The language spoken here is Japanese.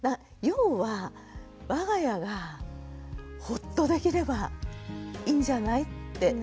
要はわが家はほっとできればいいんじゃない？って。